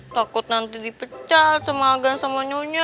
takut nanti dipecah sama agan sama nyonya